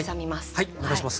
はいお願いします。